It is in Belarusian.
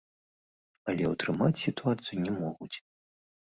Але ўтрымаць сітуацыю не могуць.